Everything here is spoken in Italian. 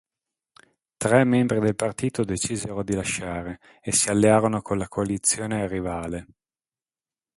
Tre membri del partito decisero di lasciare e si allearono con la coalizione rivale.